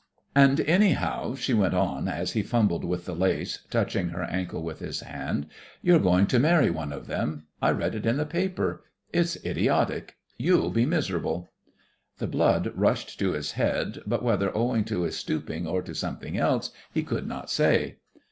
"And, anyhow," she went on as he fumbled with the lace, touching her ankle with his hand, "you're going to marry one of them. I read it in the paper. It's idiotic. You'll be miserable." The blood rushed to his head, but whether owing to his stooping or to something else, he could not say.